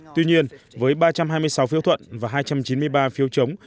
tuy nhiên với ba trăm hai mươi sáu phiếu thuận và hai trăm chín mươi ba phiếu chống